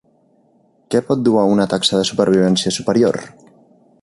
Què pot dur a una taxa de supervivència superior?